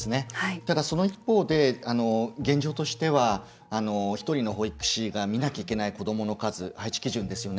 ただその一方で現状としては一人の保育士が見なきゃいけない子どもの数配置基準ですよね